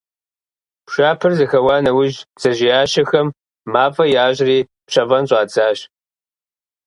Пшапэр зэхэуа нэужь, бдзэжьеящэхэм мафӀэ ящӀри, пщэфӀэн щӀадзащ.